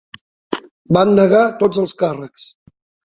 Va negar tots els càrrecs.